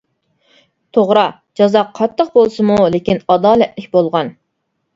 توغرا، جازا قاتتىق بولسىمۇ، لېكىن ئادالەتلىك بولغان.